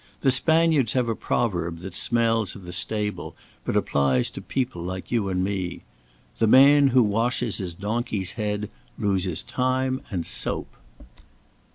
The Spaniards have a proverb that smells of the stable, but applies to people like you and me: The man who washes his donkey's head, loses time and soap."